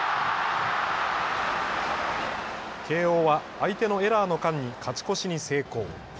慶応は相手のエラーの間に勝ち越しに成功。